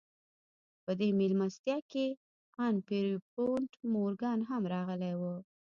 په دې مېلمستيا کې ان پيرپونټ مورګان هم راغلی و.